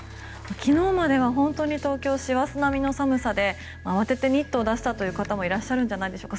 昨日までは本当に東京師走並みの寒さで慌ててニットを出したという方もいらっしゃるんじゃないでしょうか。